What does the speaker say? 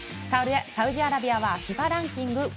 サウジアラビアはＦＩＦＡランキング